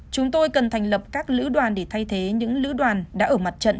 chúng tôi cần thành lập các lữ đoàn để thay thế những lữ đoàn đã ở mặt trận